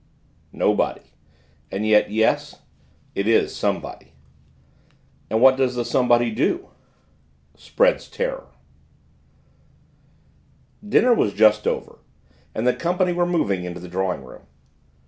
"Nobody.... And yet, yes, it is somebody!" "And what does the somebody do?" "Spreads terror!" Dinner was just over, and the company were moving into the drawing room.